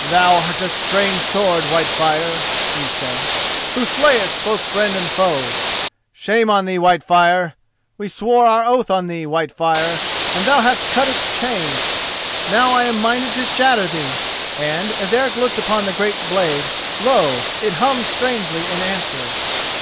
"Thou art a strange sword, Whitefire," he said, "who slayest both friend and foe! Shame on thee, Whitefire! We swore our oath on thee, Whitefire, and thou hast cut its chain! Now I am minded to shatter thee." And as Eric looked on the great blade, lo! it hummed strangely in answer.